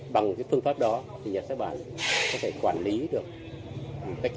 bằng phương pháp đó nhà sách bản có thể quản lý được